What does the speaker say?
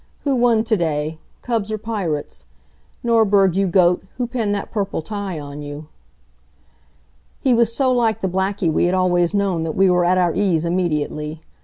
Who won to day Cubs or Pirates? Norberg, you goat, who pinned that purple tie on you?" He was so like the Blackie we had always known that we were at our ease immediately.